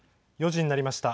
４時になりました。